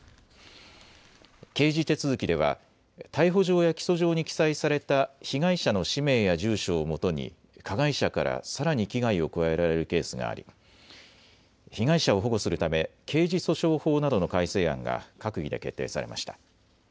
刑事手続きでは逮捕状や起訴状に記載された被害者の氏名や住所をもとに加害者からさらに危害を加えられるケースがあり被害者を保護するため刑事訴訟法などの改正案が閣議で決定されました。